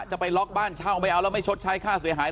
จะไปล็อกบ้านเช่าไม่เอาแล้วไม่ชดใช้ค่าเสียหาย